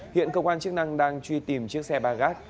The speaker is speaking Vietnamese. hiện cơ quan chức năng đang truy tìm chiếc xe ba gác